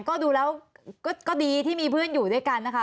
ก็ดูแล้วก็ดีที่มีเพื่อนอยู่ด้วยกันนะคะ